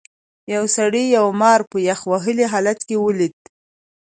یو سړي یو مار په یخ وهلي حالت کې ولید.